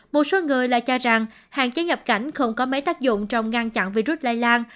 một số người lại cho rằng hạn chế nhập cảnh không có mấy tác dụng trong ngăn chặn virus lây lan